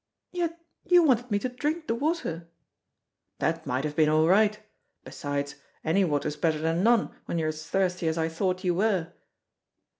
"Yet you wanted me to drink the water!" "That might have been all right; besides any water's better than none when you're as thirsty as I thought you were."